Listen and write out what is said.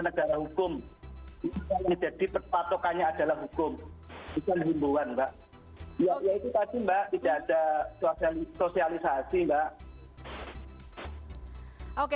negara hukum itu kan jadi perpatokannya adalah hukum